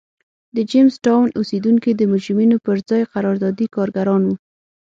د جېمز ټاون اوسېدونکي د مجرمینو پر ځای قراردادي کارګران وو.